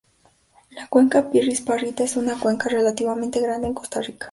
La cuenca Pirrís-Parrita es una cuenca relativamente grande en Costa Rica.